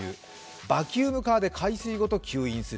バキュームカーで海水ごと吸引する。